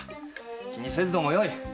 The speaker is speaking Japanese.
気にせずともよい。